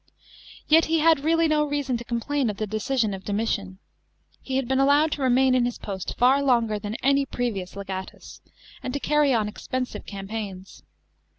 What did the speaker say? Yet he had really no reason to complain o! the decision of Domitian. He had been allowed to remain in his post far longer than any previous legatus, and to carry on expensive campaigns.